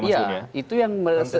ya itu yang mereset